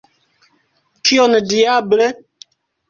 Kion, diable!